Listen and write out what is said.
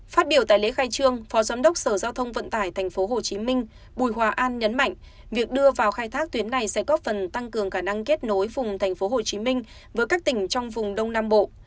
phát biểu tại lễ khai trương phó giám đốc sở giao thông vận tải tp hcm bùi hòa an nhấn mạnh việc đưa vào khai thác tuyến này sẽ góp phần tăng cường khả năng kết nối vùng tp hcm với các tỉnh trong vùng đông nam bộ